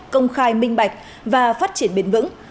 công khai minh bạch và phát triển bền vững